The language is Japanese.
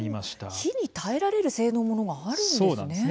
火に耐えられる性能のものがあるんですね。